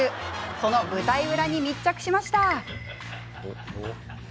その舞台裏に密着しました。